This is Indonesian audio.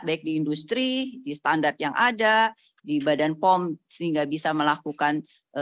baik di industri di standar yang ada di badan pom sehingga bisa melakukan